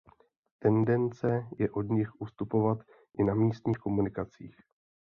Tendence je od nich ustupovat i na místních komunikacích.